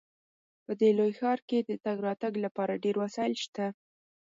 په دې لوی ښار کې د تګ راتګ لپاره ډیر وسایل شته